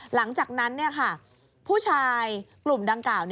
หลังจากนั้นผู้ชายกลุ่มดังกล่าว